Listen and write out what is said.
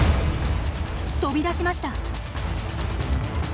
飛び出しました！